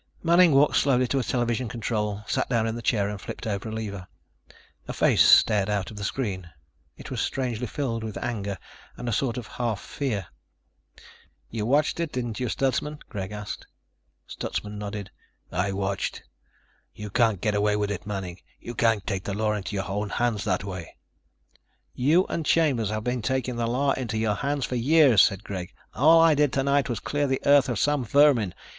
Manning walked slowly to a television control, sat down in the chair and flipped over a lever. A face stared out of the screen. It was strangely filled with anger and a sort of half fear. "You watched it, didn't you, Stutsman?" Greg asked. Stutsman nodded. "I watched. You can't get away with it, Manning. You can't take the law into your own hands that way." "You and Chambers have been taking the law into your hands for years," said Greg. "All I did tonight was clear the Earth of some vermin.